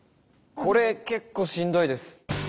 これ結構しんどいです。